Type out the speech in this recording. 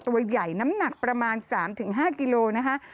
ตัวใหญ่น้ำหนักประมาณ๓๕กิโลนะคะ